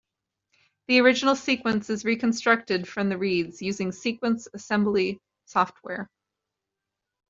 The original sequence is reconstructed from the reads using sequence assembly software.